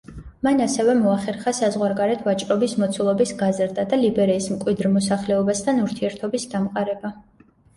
მან ასევე მოახერხა საზღვარგარეთ ვაჭრობის მოცულობის გაზრდა და ლიბერიის მკვიდრ მოსახლეობასთან ურთიერთობის დამყარება.